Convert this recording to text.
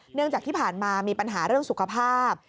เนื่องจากที่ผ่านมามีปัญหาเรื่องสุขภาพ